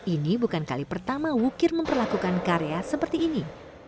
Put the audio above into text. ini bukan kali pertama wukir memperlakukan karya seperti ini